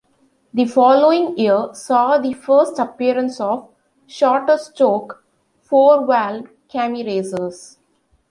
The following year saw the first appearance of shorter stroke four-valve cammy racers.